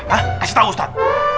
hah kasih tahu ustaz